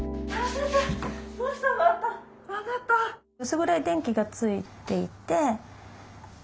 薄暗い電気がついていて。